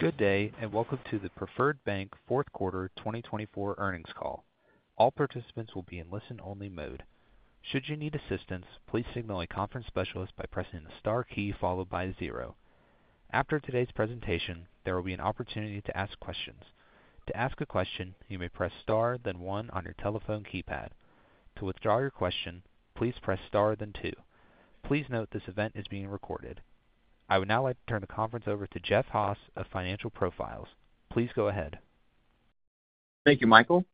Good day, and welcome to the Preferred Bank Fourth Quarter 2024 Earnings call. All participants will be in listen-only mode. Should you need assistance, please signal a conference specialist by pressing the star key followed by zero. After today's presentation, there will be an opportunity to ask questions. To ask a question, you may press star, then one on your telephone keypad. To withdraw your question, please press star, then two. Please note this event is being recorded. I would now like to turn the conference over to Jeff Haas of Financial Profiles. Please go ahead. Thank you, Michael.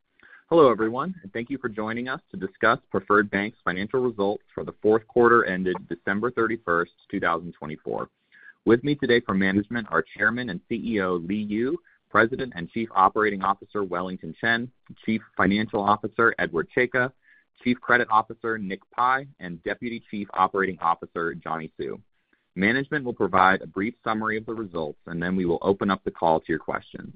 Hello, everyone, and thank you for joining us to discuss Preferred Bank's financial results for the fourth quarter ended December 31st, 2024. With me today for management are Chairman and CEO Li Yu, President and Chief Operating Officer Wellington Chen, Chief Financial Officer Edward Czajka, Chief Credit Officer Nick Pi, and Deputy Chief Operating Officer Johnny Hsu. Management will provide a brief summary of the results, and then we will open up the call to your questions.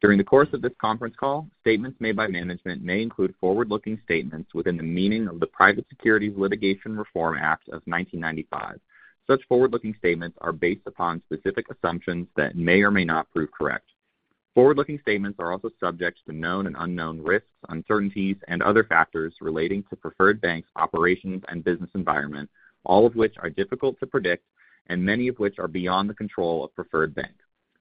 During the course of this conference call, statements made by management may include forward-looking statements within the meaning of the Private Securities Litigation Reform Act of 1995. Such forward-looking statements are based upon specific assumptions that may or may not prove correct. Forward-looking statements are also subject to the known and unknown risks, uncertainties, and other factors relating to Preferred Bank's operations and business environment, all of which are difficult to predict, and many of which are beyond the control of Preferred Bank.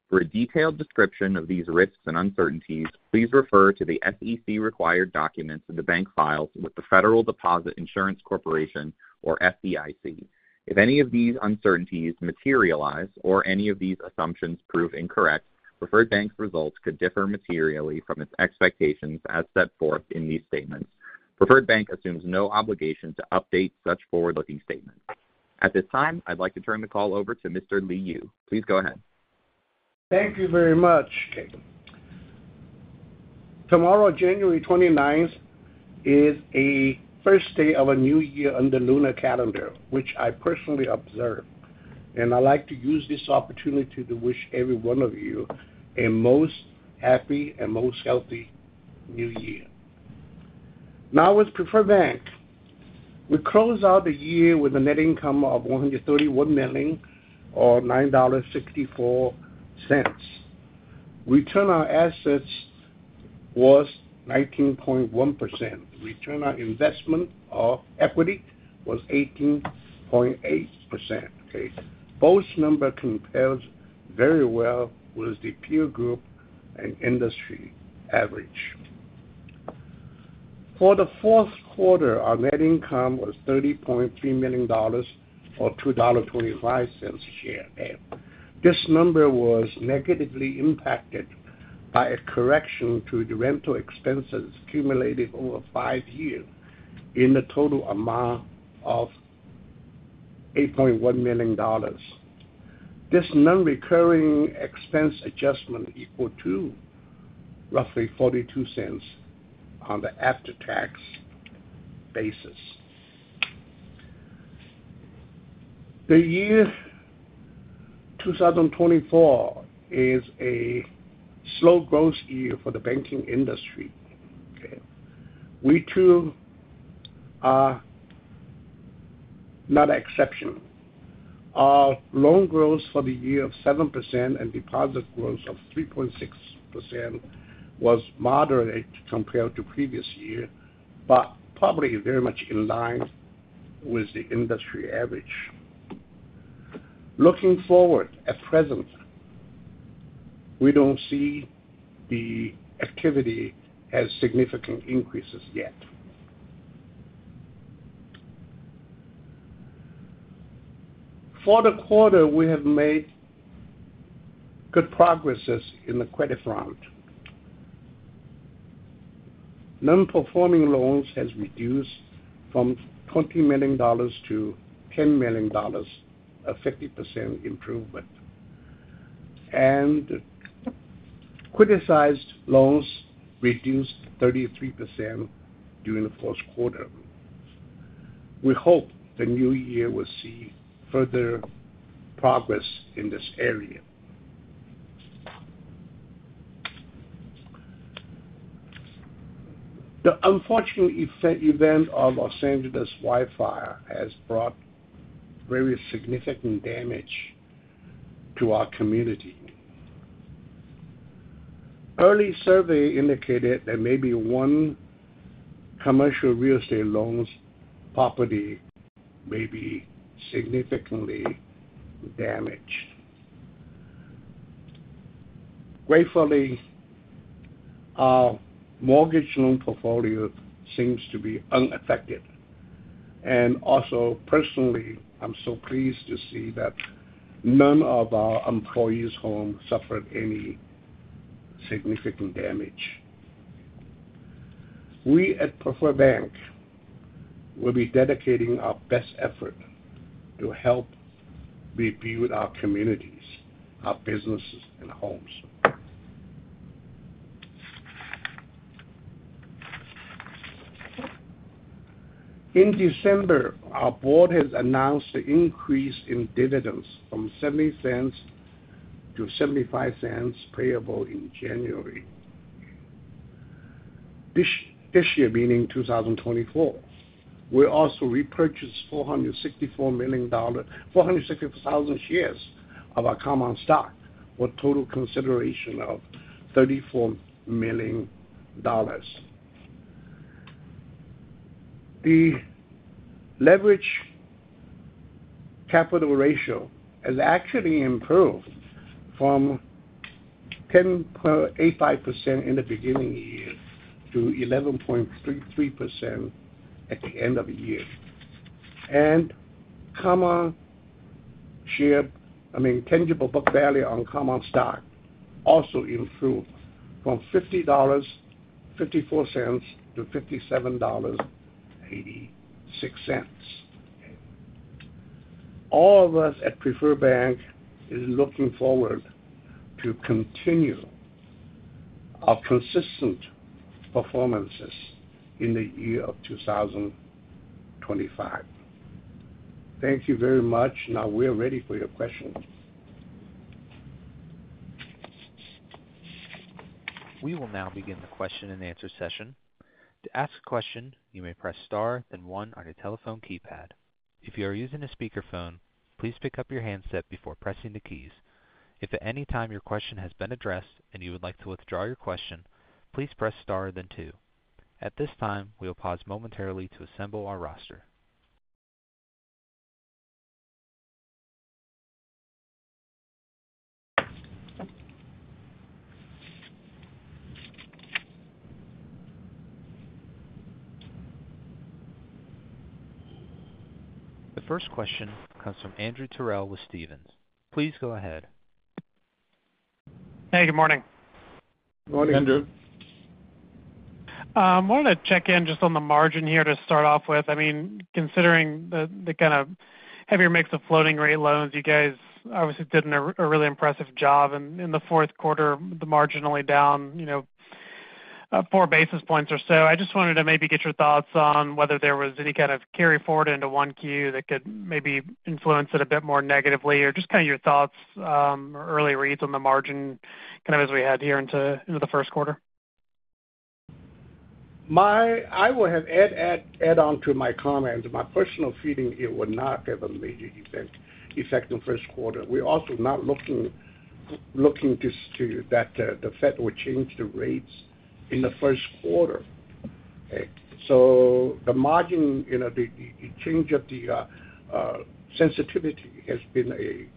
For a detailed description of these risks and uncertainties, please refer to the SEC-required documents in the bank files with the Federal Deposit Insurance Corporation, or FDIC. If any of these uncertainties materialize or any of these assumptions prove incorrect, Preferred Bank's results could differ materially from its expectations as set forth in these statements. Preferred Bank assumes no obligation to update such forward-looking statements. At this time, I'd like to turn the call over to Mr. Li Yu. Please go ahead. Thank you very much. Tomorrow, January 29th, is the first day of a new year on the lunar calendar, which I personally observe, and I'd like to use this opportunity to wish every one of you a most happy and most healthy new year. Now, with Preferred Bank, we close out the year with a net income of $131 million, or $9.64. Return on assets was 19.1%. Return on equity was 18.8%. Okay. Both numbers compared very well with the peer group and industry average. For the fourth quarter, our net income was $30.3 million, or $2.25 a share. This number was negatively impacted by a correction to the rental expenses accumulated over five years in the total amount of $8.1 million. This non-recurring expense adjustment equaled to roughly $0.42 on the after-tax basis. The year 2024 is a slow growth year for the banking industry. Okay. We too are not an exception. Our loan growth for the year of 7% and deposit growth of 3.6% was moderate compared to the previous year, but probably very much in line with the industry average. Looking forward, at present, we don't see the activity has significant increases yet. For the quarter, we have made good progress in the credit front. Non-performing loans have reduced from $20 million-$10 million, a 50% improvement, and criticized loans reduced 33% during the fourth quarter. We hope the new year will see further progress in this area. The unfortunate event of Los Angeles wildfire has brought very significant damage to our community. Early survey indicated that maybe one commercial real estate loan property may be significantly damaged. Gratefully, our mortgage loan portfolio seems to be unaffected. And also, personally, I'm so pleased to see that none of our employees' homes suffered any significant damage. We at Preferred Bank will be dedicating our best effort to help rebuild our communities, our businesses, and homes. In December, our board has announced the increase in dividends from $0.70- $0.75 payable in January. This year, meaning 2024, we also repurchased 464,000 shares of our common stock for a total consideration of $34 million. The leverage capital ratio has actually improved from 10.85% in the beginning of the year to 11.33% at the end of the year. And tangible book value on common stock also improved from $54.57-$57.86. All of us at Preferred Bank are looking forward to continuing our consistent performances in the year of 2025. Thank you very much. Now, we are ready for your questions. We will now begin the question and answer session. To ask a question, you may press star, then one on your telephone keypad. If you are using a speakerphone, please pick up your handset before pressing the keys. If at any time your question has been addressed and you would like to withdraw your question, please press star, then two. At this time, we will pause momentarily to assemble our roster. The first question comes from Andrew Terrell with Stephens. Please go ahead. Hey, good morning. Good morning, Andrew. I wanted to check in just on the margin here to start off with. I mean, considering the kind of heavier mix of floating-rate loans, you guys obviously did a really impressive job in the fourth quarter, marginally down four basis points or so. I just wanted to maybe get your thoughts on whether there was any kind of carry forward into Q that could maybe influence it a bit more negatively, or just kind of your thoughts, early reads on the margin kind of as we head here into the first quarter. I will add on to my comments. My personal feeling it will not have a major effect in the first quarter. We're also not looking to that the Fed will change the rates in the first quarter. Okay, so the margin, the change of the sensitivity has been a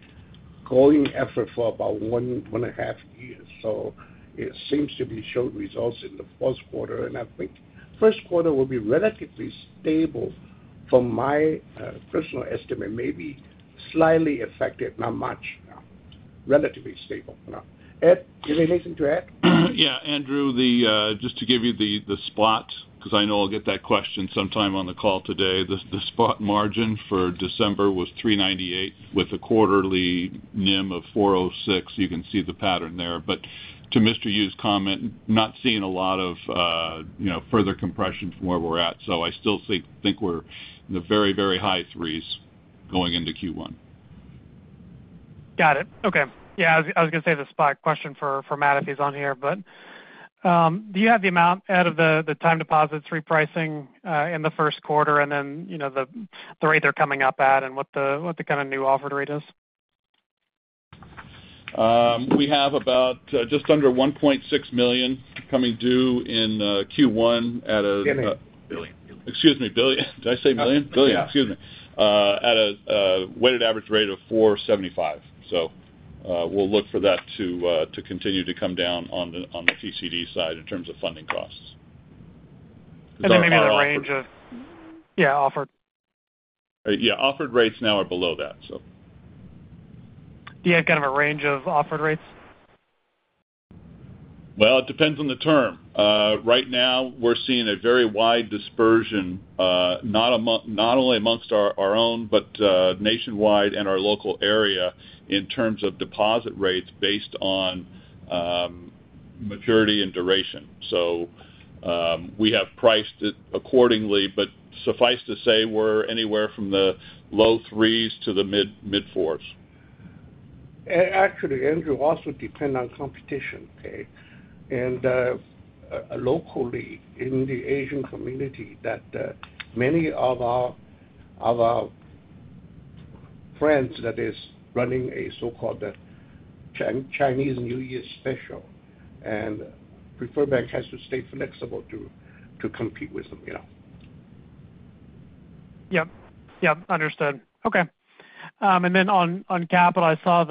growing effort for about one and a half years. So it seems to be showing results in the fourth quarter, and I think the first quarter will be relatively stable from my personal estimate, maybe slightly affected, not much. Relatively stable. Do you have anything to add? Yeah, Andrew, just to give you the spot, because I know I'll get that question sometime on the call today, the spot margin for December was 3.98% with a quarterly NIM of 4.06%. You can see the pattern there. But to Mr. Yu's comment, not seeing a lot of further compression from where we're at. So I still think we're in the very, very high threes going into Q1. Got it. Okay. Yeah, I was going to say the spot question for Matt if he's on here. But do you have the amount out of the time deposits repricing in the first quarter and then the rate they're coming up at and what the kind of new offered rate is? We have about just under $1.6 million coming due in Q1 at a. Billion. Excuse me. Did I say million? Billion. Billion. Excuse me. At a weighted average rate of 4.75%. So we'll look for that to continue to come down on the TCD side in terms of funding costs. Is there maybe a range of? Yeah, offered. Yeah, offered rates now are below that, so. Do you have kind of a range of offered rates? It depends on the term. Right now, we're seeing a very wide dispersion, not only amongst our own, but nationwide and our local area in terms of deposit rates based on maturity and duration. So we have priced it accordingly, but suffice to say we're anywhere from the low threes to the mid-fours. Actually, Andrew, also depend on competition. Okay. And locally in the Asian community, many of our friends that are running a so-called Chinese New Year special. And Preferred Bank has to stay flexible to compete with them. Yep. Yep. Understood. Okay. And then on capital, I saw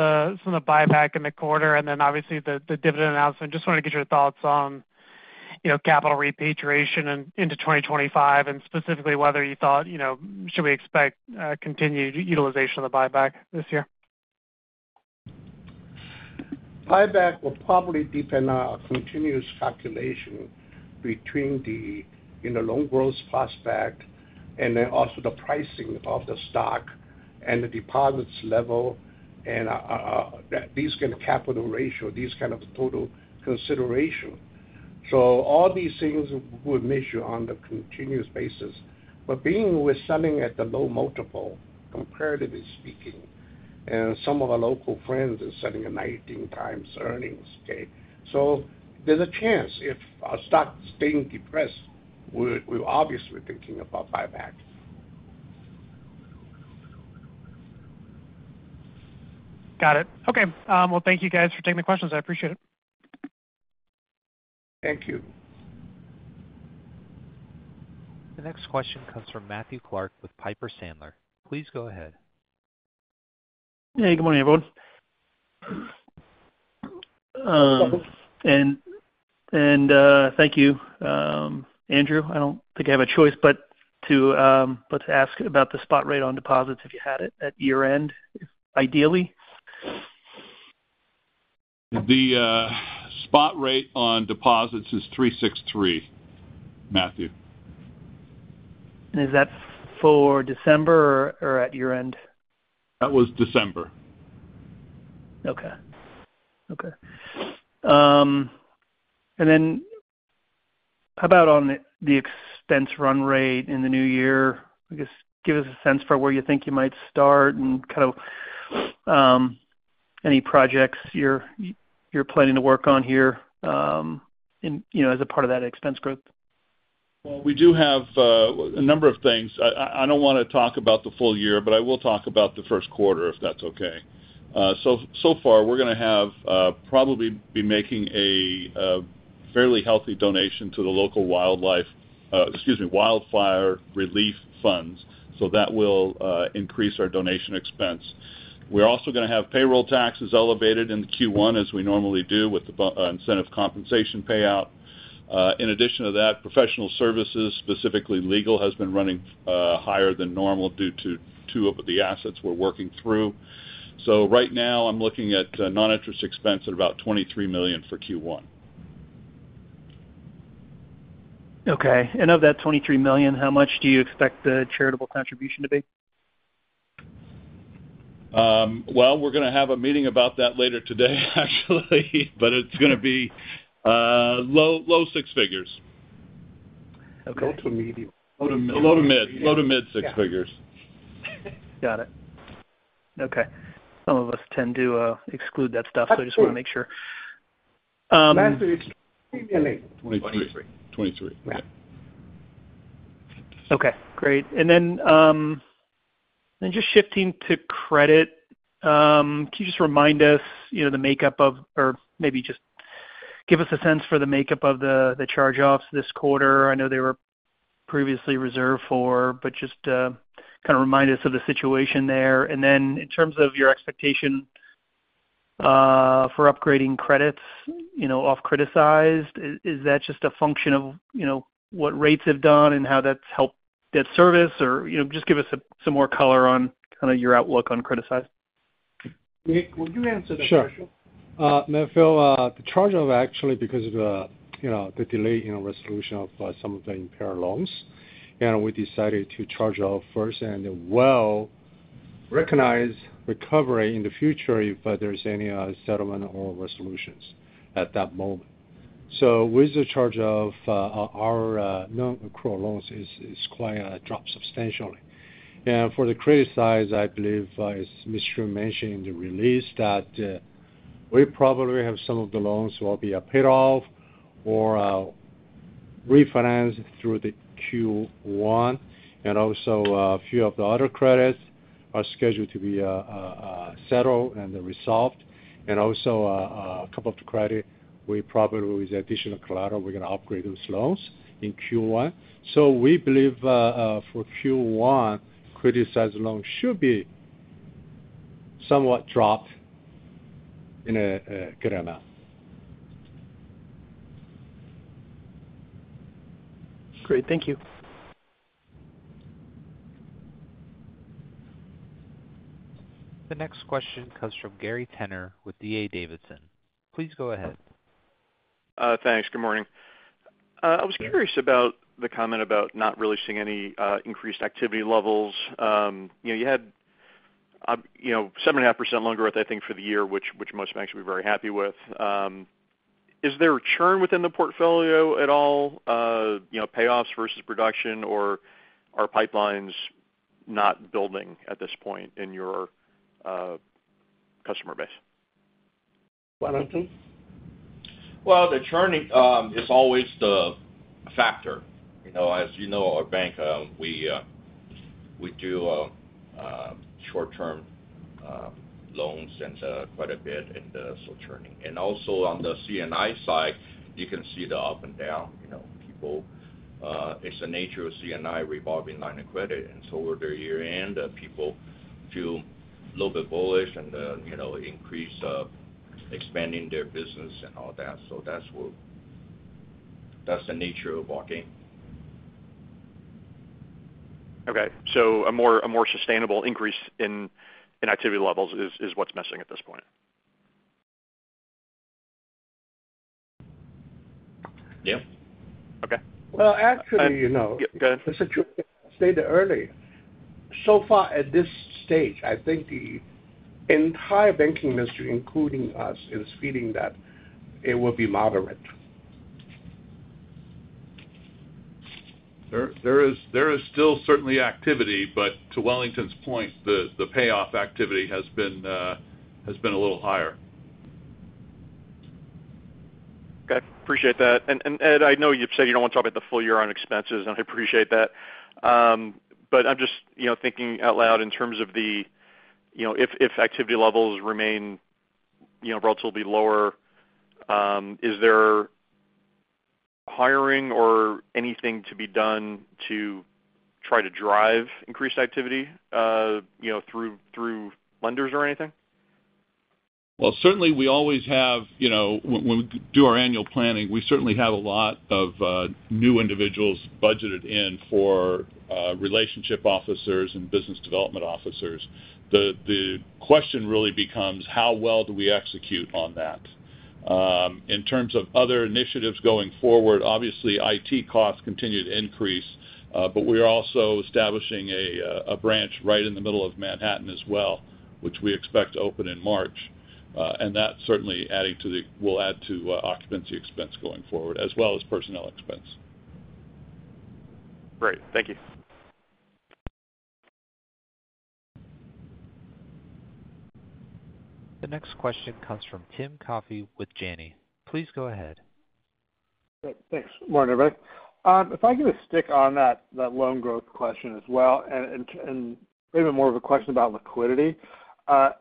some of the buyback in the quarter, and then obviously the dividend announcement. Just wanted to get your thoughts on capital repatriation into 2025, and specifically whether you thought should we expect continued utilization of the buyback this year? Buyback will probably depend on continuous calculation between the loan growth prospect and then also the pricing of the stock and the deposits level, and these kind of capital ratio, these kind of total consideration. So all these things will measure on a continuous basis. But being we're selling at the low multiple comparatively speaking, and some of our local friends are selling at 19 times earnings. Okay. So there's a chance if our stock is staying depressed, we're obviously thinking about buyback. Got it. Okay. Well, thank you guys for taking the questions. I appreciate it. Thank you. The next question comes from Matthew Clark with Piper Sandler. Please go ahead. Hey, good morning, everyone, and thank you, Andrew. I don't think I have a choice but to ask about the spot rate on deposits if you had it at year-end, ideally? The spot rate on deposits is $3.63, Matthew. Is that for December or at year-end? That was December. Okay. Okay, and then how about on the expense run rate in the new year? I guess give us a sense for where you think you might start and kind of any projects you're planning to work on here as a part of that expense growth. Well, we do have a number of things. I don't want to talk about the full year, but I will talk about the first quarter if that's okay. So far, we're going to have probably be making a fairly healthy donation to the local wildlife, excuse me, wildfire relief funds. So that will increase our donation expense. We're also going to have payroll taxes elevated in Q1, as we normally do with the incentive compensation payout. In addition to that, professional services, specifically legal, have been running higher than normal due to two of the assets we're working through. So right now, I'm looking at non-interest expense at about $23 million for Q1. Okay. And of that $23 million, how much do you expect the charitable contribution to be? We're going to have a meeting about that later today, actually, but it's going to be low six figures. Okay. Low to medium. Low to mid. Low to mid six figures. Got it. Okay. Some of us tend to exclude that stuff, so I just want to make sure. Matthew, it's $23 million. $23. $23. $23. Okay. Okay. Great. And then just shifting to credit, can you just remind us the makeup of—or maybe just give us a sense for the makeup of the charge-offs this quarter? I know they were previously reserved for, but just kind of remind us of the situation there. And then in terms of your expectation for upgrading credits off criticized, is that just a function of what rates have done and how that's helped that service? Or just give us some more color on kind of your outlook on criticized. Will you answer that, Mitchell? Sure. The charge-off, actually, because of the delay in resolution of some of the impaired loans, and we decided to charge off first and then we'll recognize recovery in the future if there's any settlement or resolutions at that moment. So with the charge-off, our non-accrual loans is quite a drop substantially. And for the criticized, I believe as Mr. Yu mentioned in the release, that we probably have some of the loans will be paid off or refinanced through the Q1. And also, a few of the other credits are scheduled to be settled and resolved. And also, a couple of the credits, we probably with additional collateral, we're going to upgrade those loans in Q1. So we believe for Q1, criticized loans should be somewhat dropped in a good amount. Great. Thank you. The next question comes from Gary Tenner with D.A. Davidson. Please go ahead. Thanks. Good morning. I was curious about the comment about not really seeing any increased activity levels. You had 7.5% loan growth, I think, for the year, which most banks would be very happy with. Is there a churn within the portfolio at all, payoffs versus production, or are pipelines not building at this point in your customer base? Wellington? The churning is always the factor. As you know, our bank, we do short-term loans quite a bit and so churning. And also on the C&I side, you can see the up and down. People, it's the nature of C&I revolving line of credit. And so over the year-end, people feel a little bit bullish and increase expanding their business and all that. So that's the nature of our game. Okay. So a more sustainable increase in activity levels is what's missing at this point? Yeah. Okay. Well, actually. Go ahead. The situation I stated earlier, so far at this stage, I think the entire banking industry, including us, is feeling that it will be moderate. There is still certainly activity, but to Wellington's point, the payoff activity has been a little higher. Okay. Appreciate that. And Ed, I know you've said you don't want to talk about the full year-end expenses, and I appreciate that. But I'm just thinking out loud in terms of the if activity levels remain relatively lower, is there hiring or anything to be done to try to drive increased activity through lenders or anything? Certainly, we always have when we do our annual planning, we certainly have a lot of new individuals budgeted in for relationship officers and business development officers. The question really becomes, how well do we execute on that? In terms of other initiatives going forward, obviously, IT costs continue to increase, but we are also establishing a branch right in the middle of Manhattan as well, which we expect to open in March. And that's certainly will add to occupancy expense going forward, as well as personnel expense. Great. Thank you. The next question comes from Tim Coffey with Janney. Please go ahead. Thanks. Morning, everybody. If I can just stick on that loan growth question as well, and maybe more of a question about liquidity.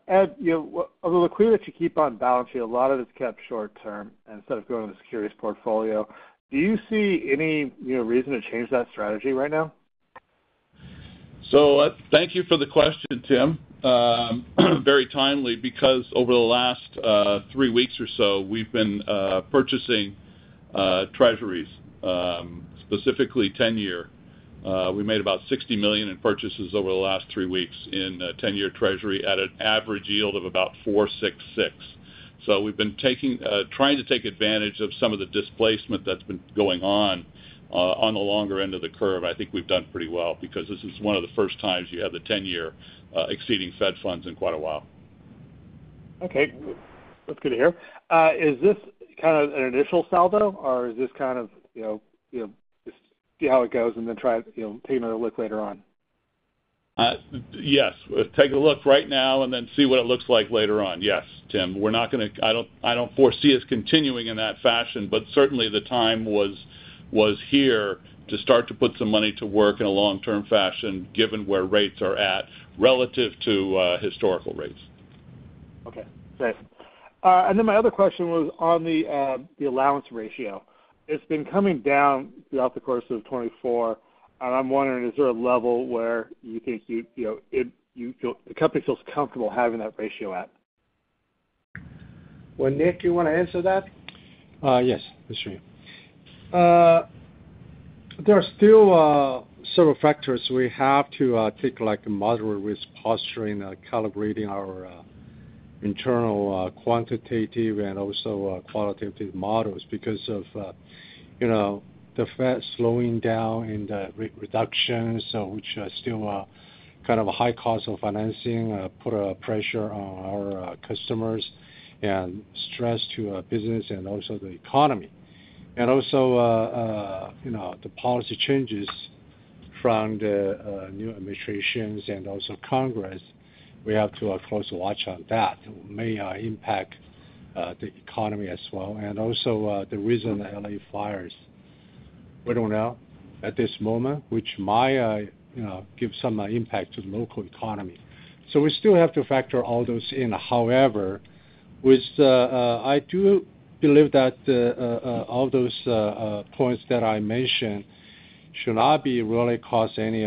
Ed, of the liquidity that you keep on balance sheet, a lot of it's kept short-term instead of going to the securities portfolio. Do you see any reason to change that strategy right now? So thank you for the question, Tim. Very timely because over the last three weeks or so, we've been purchasing Treasuries, specifically 10-year. We made about $60 million in purchases over the last three weeks in 10-year Treasury at an average yield of about 4.66%. So we've been trying to take advantage of some of the displacement that's been going on on the longer end of the curve. I think we've done pretty well because this is one of the first times you have the 10-year exceeding Fed funds in quite a while. Okay. That's good to hear. Is this kind of an initial salvo, or is this kind of just see how it goes and then try to take another look later on? Yes. Take a look right now and then see what it looks like later on. Yes, Tim. We're not going to. I don't foresee us continuing in that fashion, but certainly, the time was here to start to put some money to work in a long-term fashion given where rates are at relative to historical rates. Okay. Thanks. And then my other question was on the allowance ratio. It's been coming down throughout the course of 2024, and I'm wondering, is there a level where you think the company feels comfortable having that ratio at? Well, Nick, do you want to answer that? Yes. That's right. There are still several factors we have to take a moderate risk posturing and calibrating our internal quantitative and also qualitative models because of the Fed slowing down and the reductions, which are still kind of a high cost of financing, put a pressure on our customers and stress to business and also the economy. And also, the policy changes from the new administration and also Congress, we have to closely watch on that. It may impact the economy as well. And also, the recent L.A. fires, we don't know at this moment, which might give some impact to the local economy. So we still have to factor all those in. However, I do believe that all those points that I mentioned should not really cause any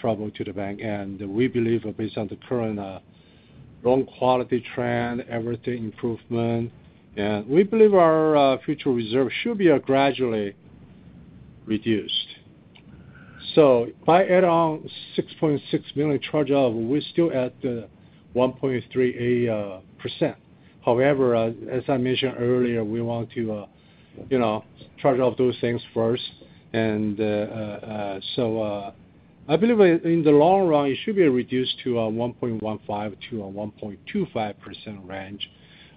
trouble to the bank. And we believe, based on the current loan quality trend, everything improvement, and we believe our future reserve should be gradually reduced. So by adding on $6.6 million charge-off, we're still at 1.38%. However, as I mentioned earlier, we want to charge off those things first. And so I believe in the long run, it should be reduced to a 1.15%-1.25% range,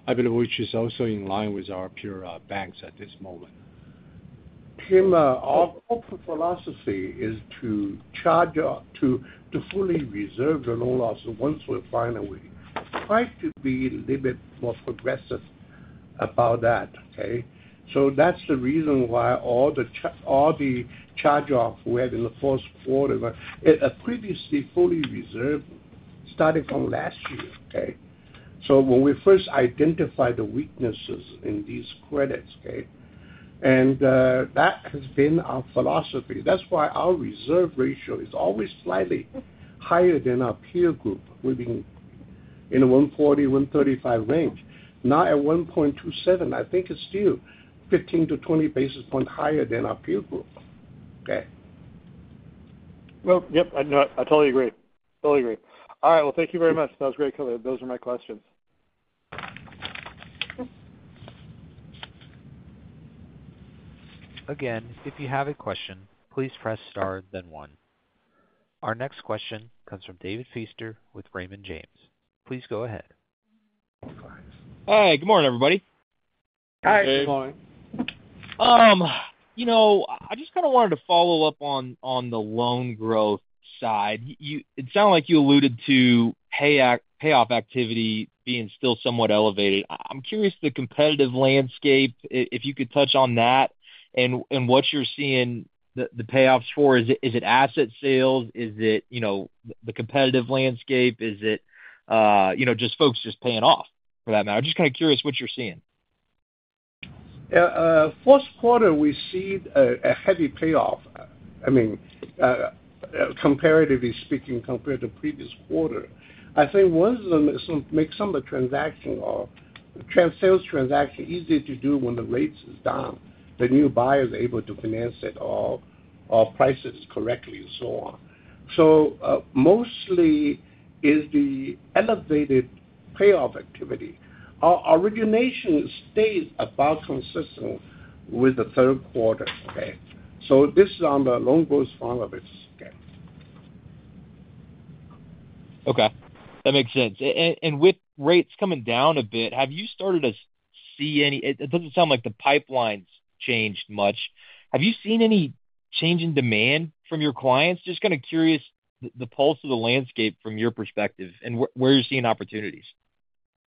I believe, which is also in line with our peer banks at this moment. Tim, our ongoing philosophy is to charge-off to fully reserve the loan loss once we find. We try to be a little bit more progressive about that, okay? So that's the reason why all the charge-off we had in the first quarter previously fully reserved starting from last year, okay? So when we first identified the weaknesses in these credits, okay? And that has been our philosophy. That's why our reserve ratio is always slightly higher than our peer group. We've been in the 140, 135 range. Now at 1.27, I think it's still 15 to 20 basis points higher than our peer group, okay? Well, yep. I totally agree. Totally agree. All right. Well, thank you very much. That was great coverage. Those were my questions. Again, if you have a question, please press star, then one. Our next question comes from David Feaster with Raymond James. Please go ahead. Hi. Good morning, everybody. Hi. Good morning. I just kind of wanted to follow up on the loan growth side. It sounded like you alluded to payoff activity being still somewhat elevated. I'm curious the competitive landscape, if you could touch on that and what you're seeing the payoffs for. Is it asset sales? Is it the competitive landscape? Is it just folks just paying off, for that matter? I'm just kind of curious what you're seeing. Yeah. First quarter, we see a heavy payoff. I mean, comparatively speaking, compared to previous quarter. I think once they make some of the transaction or sales transaction easier to do when the rates is down, the new buyer is able to finance it or price it correctly and so on. So mostly is the elevated payoff activity. Our origination stays about consistent with the third quarter, okay? So this is on the loan growth front of it, okay? Okay. That makes sense, and with rates coming down a bit, have you started to see any? It doesn't sound like the pipelines changed much. Have you seen any change in demand from your clients? Just kind of curious the pulse of the landscape from your perspective and where you're seeing opportunities.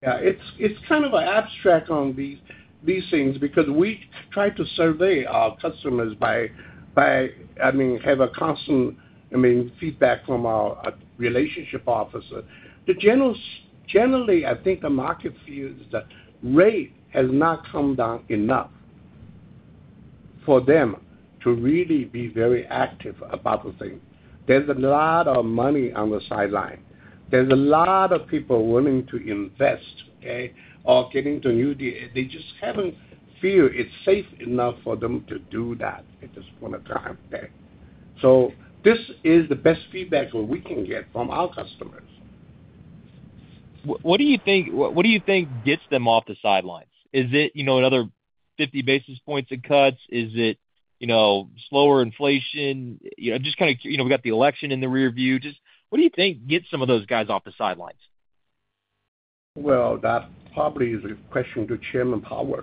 Yeah. It's kind of abstract on these things because we try to survey our customers by, I mean, have a constant, I mean, feedback from our relationship officer. Generally, I think the market feels that rate has not come down enough for them to really be very active about the thing. There's a lot of money on the sidelines. There's a lot of people willing to invest, okay, or get into new deals. They just haven't felt it's safe enough for them to do that at this point of time, okay? So this is the best feedback that we can get from our customers. What do you think gets them off the sidelines? Is it another 50 basis points of cuts? Is it slower inflation? I'm just kind of. We've got the election in the rearview. Just what do you think gets some of those guys off the sidelines? Well, that probably is a question to Chairman Powell.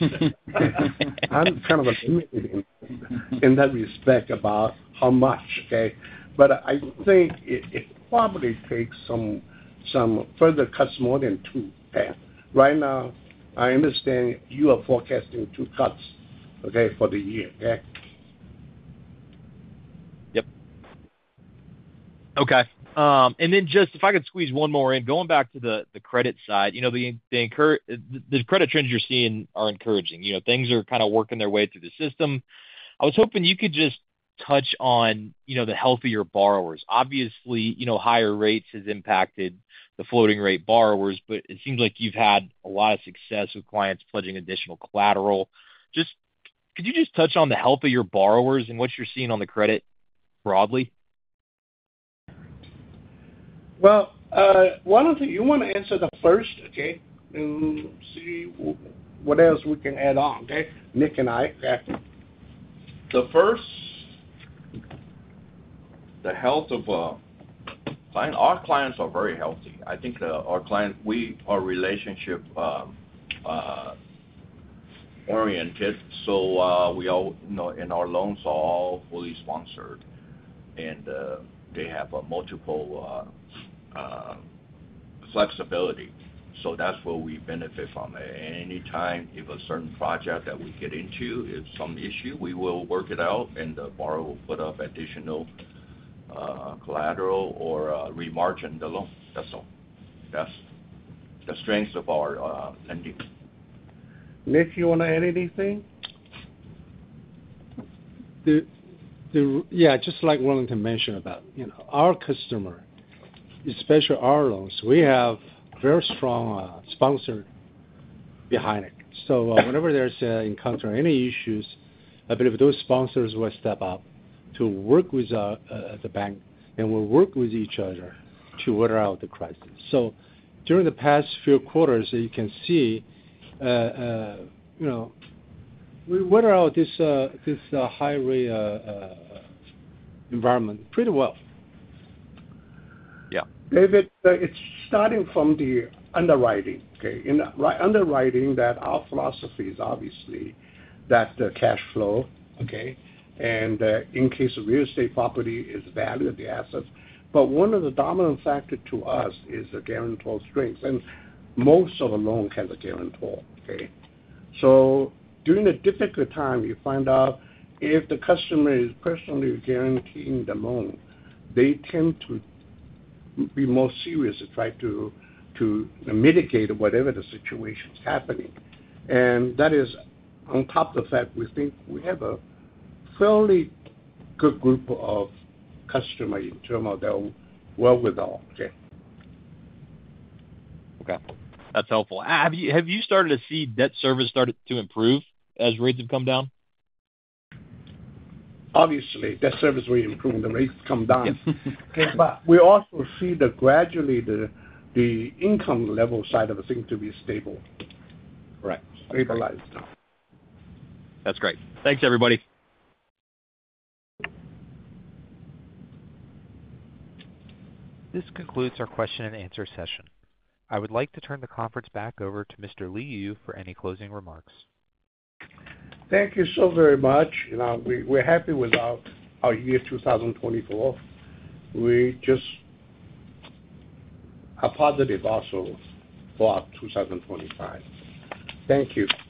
I'm kind of limited in that respect about how much, okay? But I think it probably takes some further cuts more than two, okay? Right now, I understand you are forecasting two cuts, okay, for the year, okay? Yep. Okay. And then just if I could squeeze one more in, going back to the credit side, the credit trends you're seeing are encouraging. Things are kind of working their way through the system. I was hoping you could just touch on the healthier borrowers. Obviously, higher rates have impacted the floating-rate borrowers, but it seems like you've had a lot of success with clients pledging additional collateral. Just could you just touch on the health of your borrowers and what you're seeing on the credit broadly? Well, you want to answer the first, okay? And see what else we can add on, okay? Nick and I, okay? The first, the health of our clients are very healthy. I think our clients, we are relationship-oriented, so in our loans, are all fully sponsored, and they have multiple flexibility. So that's where we benefit from. Anytime, if a certain project that we get into, if some issue, we will work it out, and the borrower will put up additional collateral or re-margin the loan. That's all. That's the strength of our lending. Nick, you want to add anything? Yeah. Just like Wellington mentioned about our customer, especially our loans, we have very strong sponsors behind it. So whenever we encounter any issues, I believe those sponsors will step up to work with the bank, and we'll work with each other to work out the crisis. So during the past few quarters, you can see we work out this high-rate environment pretty well. Yeah. David, it's starting from the underwriting, okay? In the underwriting, our philosophy is obviously that the cash flow, okay, and in case of real estate property, is valued as assets. But one of the dominant factors to us is the guarantor strength. And most of the loan has a guarantor, okay? So during a difficult time, you find out if the customer is personally guaranteeing the loan, they tend to be more serious to try to mitigate whatever the situation is happening. And that is on top of the fact we think we have a fairly good group of customers in terms of they're well-heeled, okay? Okay. That's helpful. Have you started to see debt service start to improve as rates have come down? Obviously, debt service will improve when the rates come down. But we also see gradually the income level side of the thing to be stable. Right. Stabilized now. That's great. Thanks, everybody. This concludes our question and answer session. I would like to turn the conference back over to Mr. Li Yu for any closing remarks. Thank you so very much. We're happy with our year 2024. We just are positive also for 2025. Thank you.